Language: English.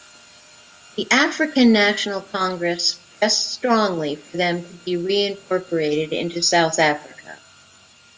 The African National Congress pressed strongly for them to be reincorporated into South Africa.